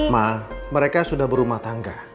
ma mereka sudah berumah tangga